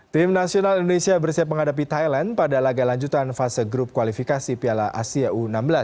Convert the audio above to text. tim nasional indonesia bersiap menghadapi thailand pada laga lanjutan fase grup kualifikasi piala asia u enam belas